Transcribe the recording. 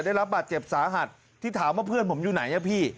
ได้รับบาดเจ็บสาหัสที่ถามว่าเพื่อนผมอยู่ไหนอ่ะพี่